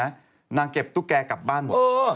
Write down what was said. นางเก็บตุ๊กแกกลับบ้านหมด